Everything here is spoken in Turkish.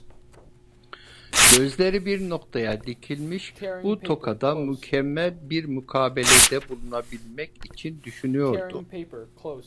Gözleri bir noktaya dikilmiş, bu tokada mükemmel bir mukabelede bulunabilmek için düşünüyordu.